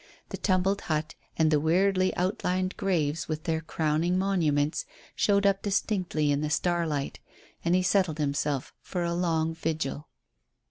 The tumbled hut and the weirdly outlined graves with their crowning monuments showed up distinctly in the starlight. And he settled himself for a long vigil.